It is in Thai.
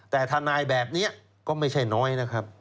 แต่ทนายแบบนี้ก็ไม่ใช่น้อยนะครับ